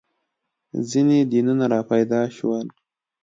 • ځینې دینونه راپیدا شول.